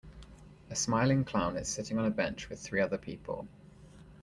A smiling clown is sitting on a bench with three other people.